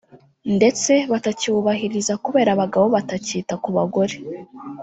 ndetse batakiwubahiriza kubera abagabo batakita ku bagore